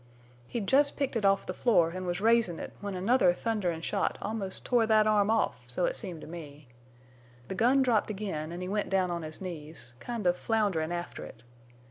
He'd jest picked it off the floor an' was raisin' it when another thunderin' shot almost tore thet arm off—so it seemed to me. The gun dropped again an' he went down on his knees, kind of flounderin' after it.